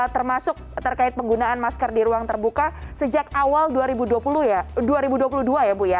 termasuk terkait penggunaan masker di ruang terbuka sejak awal dua ribu dua puluh dua ya bu ya